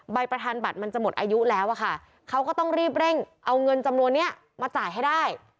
ประธานบัตรมันจะหมดอายุแล้วอะค่ะเขาก็ต้องรีบเร่งเอาเงินจำนวนนี้มาจ่ายให้ได้